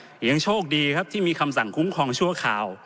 ยังโชคดีครับที่มีคำสั่งคุ้มครองชั่วคราว